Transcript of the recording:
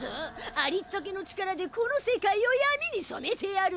ありったけの力でこの世界を闇に染めてやる！